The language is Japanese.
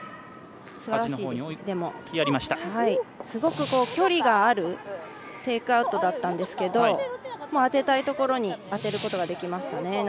すごく距離があるテイクアウトだったんですけど当てたいところに当てることができましたね。